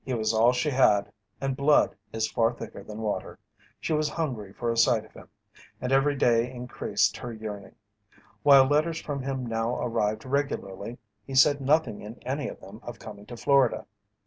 He was all she had, and blood is far thicker than water. She was hungry for a sight of him, and every day increased her yearning. While letters from him now arrived regularly, he said nothing in any of them of coming to Florida.